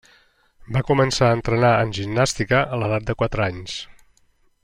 Va començar a entrenar en gimnàstica a l'edat de quatre anys.